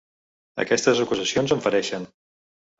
Aquestes acusacions em fereixen.